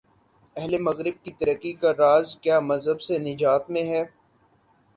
اہل مغرب کی ترقی کا راز کیا مذہب سے نجات میں ہے؟